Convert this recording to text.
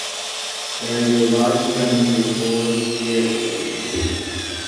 There is a large gum tree full of spirit-children.